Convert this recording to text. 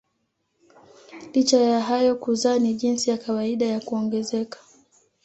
Licha ya hayo kuzaa ni jinsi ya kawaida ya kuongezeka.